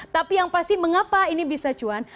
tapi yang pasti mengapa ini bisa cuan